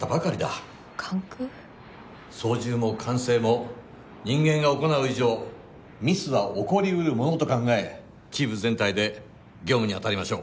操縦も管制も人間が行う以上ミスは起こりうるものと考えチーム全体で業務にあたりましょう。